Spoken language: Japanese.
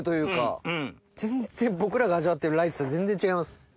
僕らが味わってるライチと全然違います。